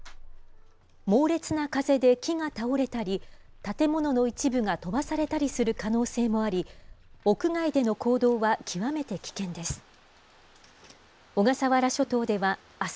猛烈な風で木が倒れたり、建物の一部が飛ばされたりする可能性もあり、屋外での行動は極めて危険です。